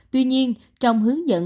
tuy nhiên trong hướng dẫn